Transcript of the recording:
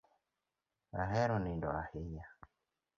Ahero nindo ahinya.